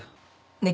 「ねえ。